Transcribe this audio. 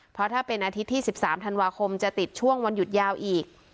เพราะถ้าเป็นอาทิตย์ที่๑๓ธันวาคมจะติดช่วงวันหยุดยาวอีก